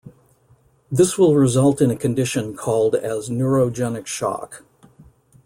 This will result in a condition called as neurogenic shock.